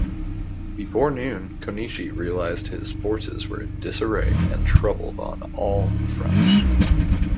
Before noon, Konishi realized his forces were in disarray and troubled on all fronts.